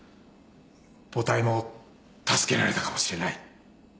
母体も助けられたかもしれない。